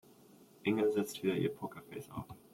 Inge setzte wieder ihr Pokerface auf.